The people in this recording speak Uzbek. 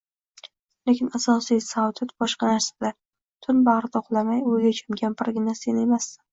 Lekin asosiy saodat boshqa narsada tun bagʻrida uxlamay oʻyga choʻmgan birgina sen emassan